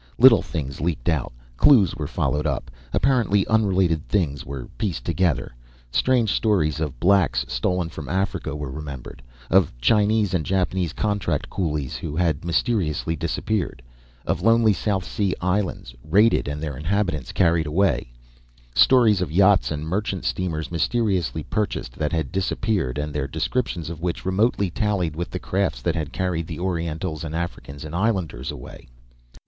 Little things leaked out, clues were followed up, apparently unrelated things were pieced together. Strange stories of blacks stolen from Africa were remembered, of Chinese and Japanese contract coolies who had mysteriously disappeared, of lonely South Sea Islands raided and their inhabitants carried away; stories of yachts and merchant steamers, mysteriously purchased, that had disappeared and the descriptions of which remotely tallied with the crafts that had carried the Orientals and Africans and islanders away.